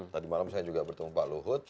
tadi malam saya juga bertemu pak luhut